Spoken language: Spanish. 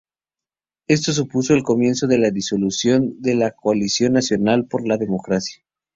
Esto supuso el comienzo de la disolución de la Coalición Nacional por la Democracia.